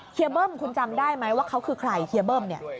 เคียบิ้มคุณจำได้ไหมว่าเขาคือใครเคียบิ้ม